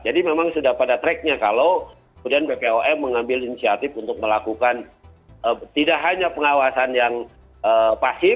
jadi memang sudah pada track nya kalau kemudian bpom mengambil inisiatif untuk melakukan hmm tidak hanya pengawasan yang hmm pasif